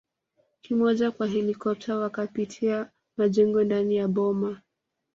kimoja kwa helikopta wakapitia majengo ndani ya boma